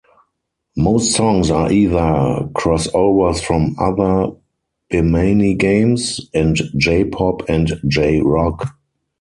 Most songs are either crossovers from other Bemani games, and J-pop and J-Rock.